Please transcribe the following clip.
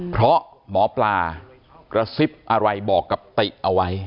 เพราะหมอปลากระซิบอะไรบอกกับติเอาไว้